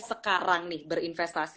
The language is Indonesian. sekarang nih berinvestasi